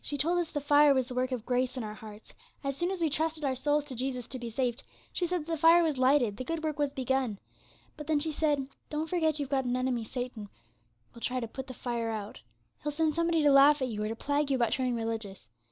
She told us the fire was the work of grace in our hearts. As soon as we trusted our souls to Jesus to be saved, she said that fire was lighted, the good work was begun. But then, she said, "Don't forget you've got an enemy. Satan will try to put the fire out. He'll send somebody to laugh at you, or to plague you about turning religious.